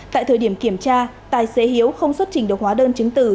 tại thời điểm kiểm tra tài xế hiếu không xuất trình độc hóa đơn chứng tử